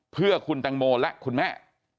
เพื่อคุณตังโมและคุณแม่